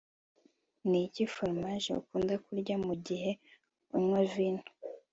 Niki foromaje ukunda kurya mugihe unywa vino